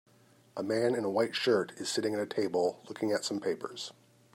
A man in a white shirt is sitting at a table looking at some papers